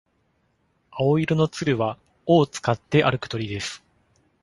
青色のツルは尾を使って歩く鳥です。